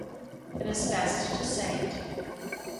It is best to say it.